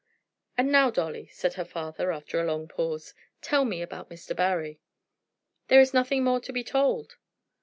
"And now, Dolly," said her father, after a long pause, "tell me about Mr. Barry." "There is nothing more to be told."